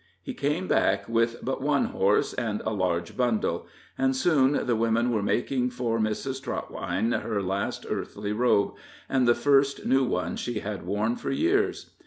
He came back with but one horse and a large bundle; and soon the women were making for Mrs. Trotwine her last earthly robe, and the first new one she had worn for years.